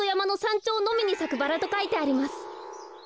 ちょうのみにさくバラとかいてあります。